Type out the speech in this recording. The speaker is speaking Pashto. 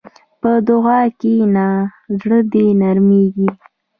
په دعا کښېنه، زړه دې نرمېږي.